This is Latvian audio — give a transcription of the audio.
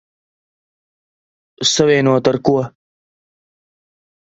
Savienota ar ko?